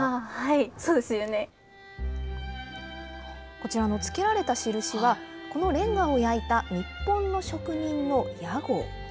こちらの付けられた印は、このレンガを焼いた日本の職人の屋号。